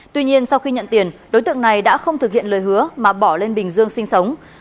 tuy nhiên sau khi nhận tiền đối tượng này đã không thực hiện lời hứa mà bỏ lên bình dương sinh sống